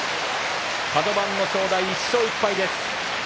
カド番の正代、１勝１敗です。